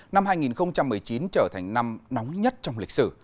năm hai nghìn một mươi chín trở thành năm nóng nhất trong lịch sử